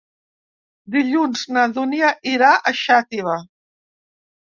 Dilluns na Dúnia irà a Xàtiva.